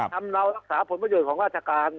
เรารักษาผลประโยชน์ของราชการ